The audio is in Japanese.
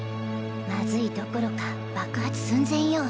まずいどころか爆発寸前よ。